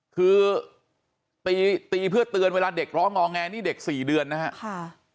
คือตีตีเพื่อเตือนเวลาเด็กร้องงอแงนี่เด็ก๔เดือนนะครับ